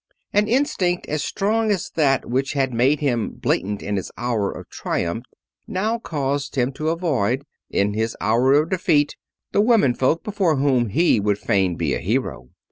An instinct as strong as that which had made him blatant in his hour of triumph now caused him to avoid, in his hour of defeat, the women folk before whom he would fain be a hero.